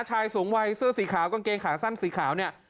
ชายสูงวัยเสื้อสีขาวกางเกงขาสั้นสีขาวเนี่ย